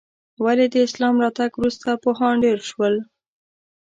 ولې د اسلام راتګ وروسته پوهان ډېر شول؟